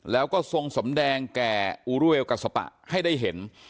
แล้วก็ทรงสมแดงแก่อูรูเวลกัสปะให้ได้เห็น